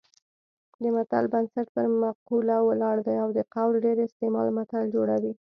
د متل بنسټ پر مقوله ولاړ دی او د قول ډېر استعمال متل جوړوي